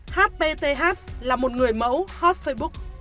hpth là một người mẫu hot facebook